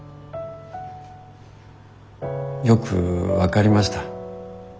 よく分かりました。